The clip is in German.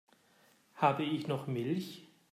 Habe ich noch Milch?